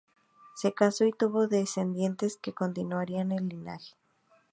Se casó y tuvo descendientes que continuarían el linaje.